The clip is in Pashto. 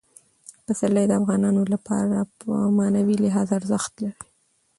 پسرلی د افغانانو لپاره په معنوي لحاظ ارزښت لري.